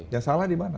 yang salah di mana